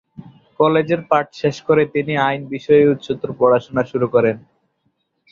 কলেজের পাঠ শেষ করে তিনি আইন বিষয়ে উচ্চতর পড়াশোনা শুরু করেন।